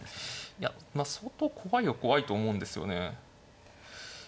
いやまあ相当怖いは怖いと思うんですよね。